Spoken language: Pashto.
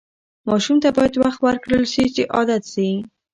ماشوم ته باید وخت ورکړل شي چې عادت شي.